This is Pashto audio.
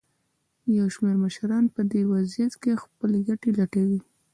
یو شمېر مشران په دې وضعیت کې خپلې ګټې لټوي.